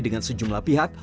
dengan sejumlah pihak